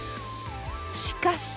しかし！